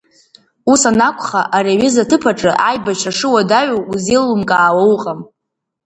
Ус анакәха, ари аҩыза аҭыԥ аҿы аибашьра шыуадаҩу узеилымкаауа уҟам.